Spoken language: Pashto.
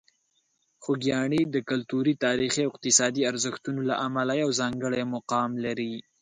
خوږیاڼي د کلتوري، تاریخي او اقتصادي ارزښتونو له امله یو ځانګړی مقام لري.